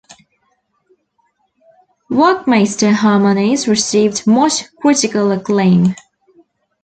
"Werckmeister Harmonies" received much critical acclaim.